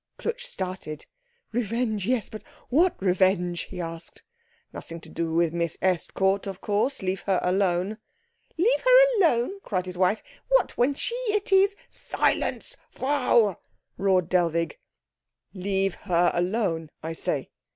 Klutz started. "Revenge! Yes, but what revenge?" he asked. "Nothing to do with Miss Estcourt, of course. Leave her alone " "Leave her alone?" cried his wife, "what, when she it is " "Silence, Frau!" roared Dellwig. "Leave her alone, I say.